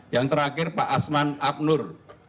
yang terakhir pak asman abnur